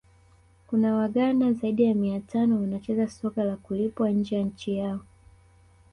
Kuna waghana zaidi ya mia tano wanacheza soka la kulipwa nje ya nchi yao